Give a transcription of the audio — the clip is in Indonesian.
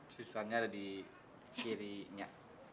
sisanya ada di kiri enyak